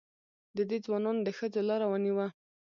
دې ځوانانو د ښځو لاره ونیوه.